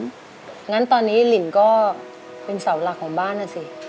งั้นตอนนี้ลินก็เป็นเสาหลักของบ้านนะสิ